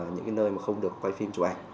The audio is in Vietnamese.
những cái nơi mà không được quay phim chụp ảnh